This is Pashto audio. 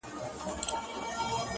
دادی اوس هم کومه بيا کومه بيا کومه